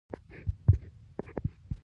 دوو سپرو د خپلو آسونو تشو ته پوندې ورکړې.